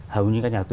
hầu như các nhà đầu tư